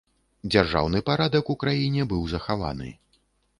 Дзяржаўны парадак у краіне быў захаваны.